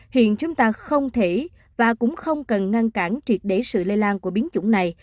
hiện chúng ta không thể và cũng không cần ngăn cản triệt để sự lây lan của biến chủng này